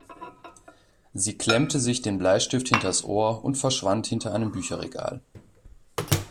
Sie klemmte sich den Bleistift hinters Ohr und verschwand hinter einem Bücherregal.